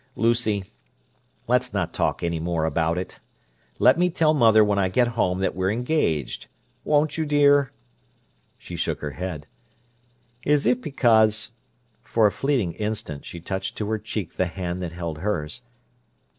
Lucy, let's not talk any more about it. Let me tell mother when I get home that we're engaged. Won't you, dear?" She shook her head. "Is it because—" For a fleeting instant she touched to her cheek the hand that held hers.